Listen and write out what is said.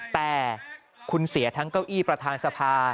แต่คุณเสียทั้งเก้าอี้ประธานสภา